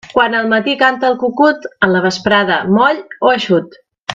Quan al matí canta el cucut, a la vesprada moll o eixut.